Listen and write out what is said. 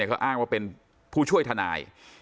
เขาอ้างว่าเป็นผู้ช่วยทนาย